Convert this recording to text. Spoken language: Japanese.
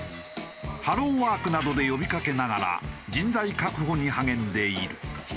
ハローワークなどで呼びかけながら人材確保に励んでいる。